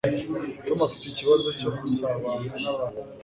tom afite ikibazo cyo gusabana nabantu